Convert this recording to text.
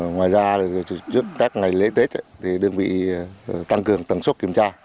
ngoài ra trước các ngày lễ tết đơn vị tăng cường tầng sốt kiểm tra